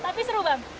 tapi seru bang